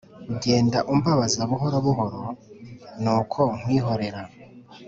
Ugenda umbabaza buhoro buhoro nuko nkwihorera